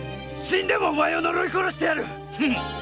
死んでもお前を呪い殺してやる！